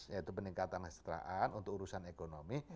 yaitu peningkatan kesetraan untuk urusan ekonomi